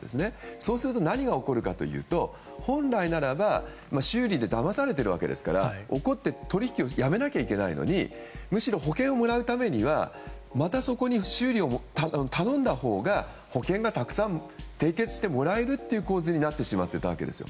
そうすると何が起こるかというと本来ならば修理でだまされているわけですから怒って取引をやめなきゃいけないのにむしろ保険をもらうためにはまたそこに修理を頼んだほうが保険がたくさん締結してもらえるという構図になってしまっていたわけです。